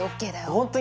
本当に？